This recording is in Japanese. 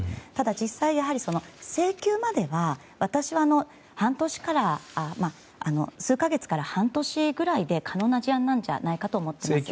実際、請求までは私は数か月から半年くらいで可能な事案なんじゃないかと思っています。